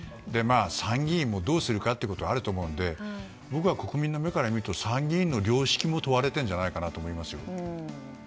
参議院もどうするかということがあると思うので国民の目から見ると参議院の良識も問われているんじゃないかなと思いますよね。